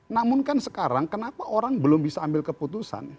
namun kan sekarang kenapa orang belum bisa ambil keputusan